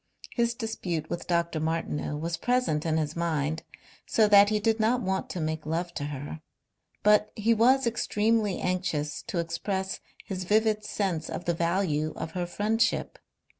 His dispute with Dr. Martineau was present in his mind, so that he did not want to make love to her. But he was extremely anxious to express his vivid sense of the value of her friendship.